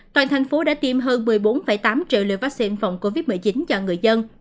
toàn thành phố đã tiêm hơn một mươi bốn tám triệu liều vaccine phòng covid một mươi chín cho người dân